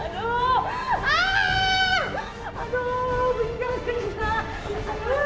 di sini mak